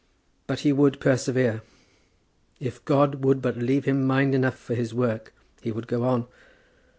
But he would persevere. If God would but leave to him mind enough for his work, he would go on.